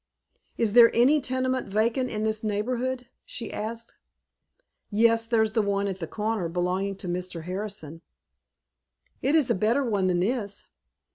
"Is there any tenement vacant in this neighborhood?" she asked. "Yes, there's the one at the corner, belonging to Mr. Harrison." "It is a better one than this."